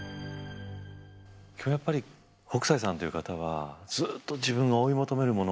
やっぱり北斎さんという方はずっと自分が追い求めるもの。